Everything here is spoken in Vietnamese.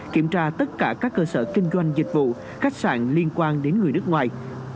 kiểm tra tất cả các cơ sở kinh doanh dịch vụ khách sạn liên quan đến người nước ngoài